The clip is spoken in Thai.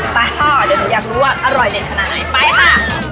ไปพ่อเดี๋ยวหนูอยากรู้ว่าอร่อยเด็ดขนาดไหนไปค่ะ